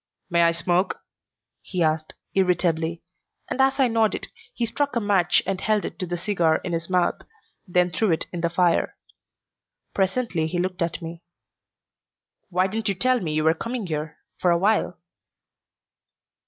"May I smoke?" he asked, irritably, and as I nodded he struck a match and held it to the cigar in his mouth, then threw it in the fire. Presently he looked at me. "Why didn't you tell me you were coming here for a while?"